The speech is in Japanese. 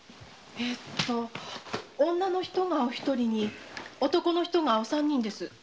えと女の人がお一人男の人がお三人です。